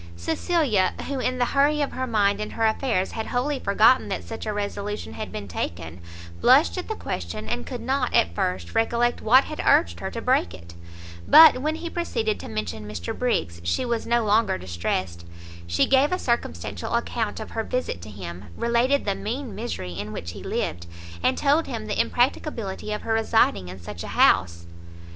Cecilia, who, in the hurry of her mind and her affairs, had wholly forgotten that such a resolution had been taken, blushed at the question, and could not, at first, recollect what had urged her to break it; but when he proceeded to mention Mr Briggs, she was no longer distressed; she gave a circumstantial account of her visit to him, related the mean misery in which he lived, and told him the impracticability of her residing in such a house.